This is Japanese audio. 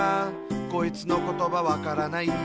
「こいつのことばわからない」